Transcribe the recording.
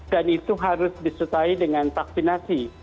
dan itu harus disertai dengan vaksinasi